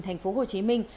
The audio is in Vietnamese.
thành phố hồ chí minh